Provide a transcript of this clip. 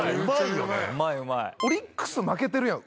「オリックス負けてるやん」